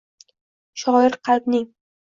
Shoir qalbning